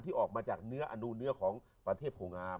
ที่ออกมาจากเนื้ออนุเงื้อของประเทพโภงอาม